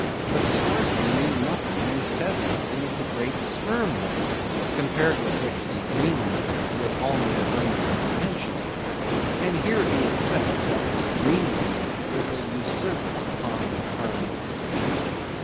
But Scoresby knew nothing and says nothing of the great sperm whale, compared with which the Greenland whale is almost unworthy mentioning. And here be it said, that the Greenland whale is an usurper upon the throne of the seas.